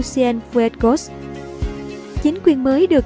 cienfuegos chính quyền mới được